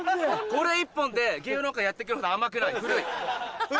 これ一本で芸能界やっていけるほど甘くない古い！